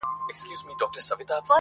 o څه راوړه، څه به يوسې!